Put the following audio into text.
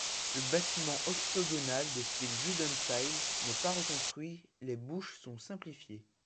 Le bâtiment octogonal de style Jugendstil n'est pas reconstruit, les bouches sont simplifiées.